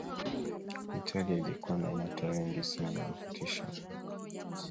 italia ilikuwa na nyota wengi sana wa kutisha mwaka